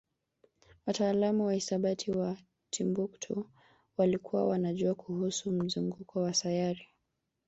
wataalamu wa hisabati wa Timbuktu walikuwa wanajua kuhusu mzunguko wa sayari